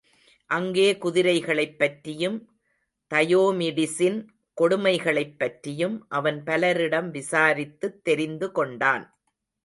அங்கே குதிரைகளைப் பற்றியும், தயோமிடிஸின் கொடுமைகளைப் பற்றியும் அவன் பலரிடம் விசாரித்துத் தெரிந்துகொண்டான்.